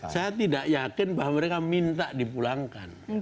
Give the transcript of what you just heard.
saya tidak yakin bahwa mereka minta dipulangkan